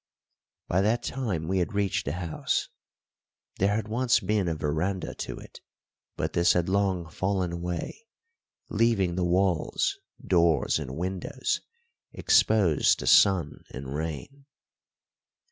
By that time we had reached the house. There had once been a verandah to it, but this had long fallen away, leaving the walls, doors, and windows exposed to sun and rain.